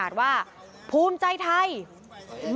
ไอหนูเจ๊งแน่